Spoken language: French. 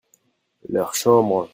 leur chambre.